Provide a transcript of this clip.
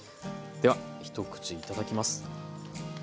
では一口いただきます。